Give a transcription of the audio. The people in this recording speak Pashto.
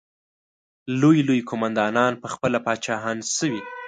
لوی لوی قوماندانان پخپله پاچاهان شوي.